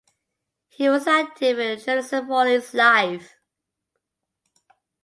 He was active in journalism all his life.